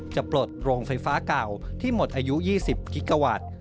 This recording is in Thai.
ปลดโรงไฟฟ้าเก่าที่หมดอายุ๒๐กิกาวัตต์